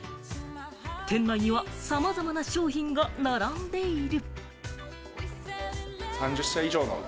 店内にはさまざまな商品が並んでいる。